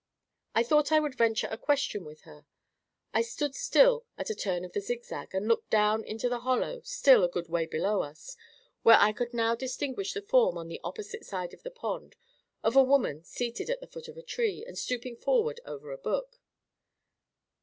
—I thought I would venture a question with her. I stood still at a turn of the zigzag, and looked down into the hollow, still a good way below us, where I could now distinguish the form, on the opposite side of the pond, of a woman seated at the foot of a tree, and stooping forward over a book.